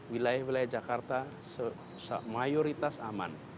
wilayah wilayah jakarta mayoritas aman